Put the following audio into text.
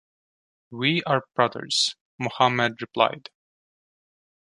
"We are brothers" Muhammad replied.